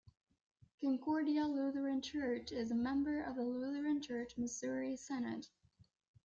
Concordia Lutheran Church is a member of the Lutheran Church-Missouri Synod.